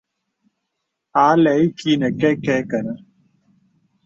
A lɛ̂ ìkì nə kɛkɛ kə̀nɛ̂.